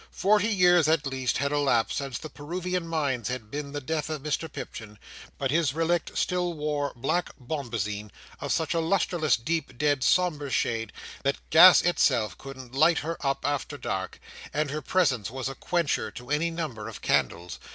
Forty years at least had elapsed since the Peruvian mines had been the death of Mr Pipchin; but his relict still wore black bombazeen, of such a lustreless, deep, dead, sombre shade, that gas itself couldn't light her up after dark, and her presence was a quencher to any number of candles.